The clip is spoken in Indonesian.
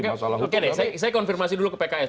oke deh saya konfirmasi dulu ke pks